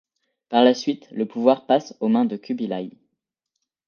Par la suite, le pouvoir passe aux mains de Kubilai.